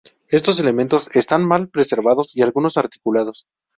Estos elementos están mal preservados y algunos articulados.